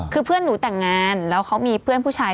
คือเพื่อนหนูแต่งงานแล้วเขามีเพื่อนผู้ชาย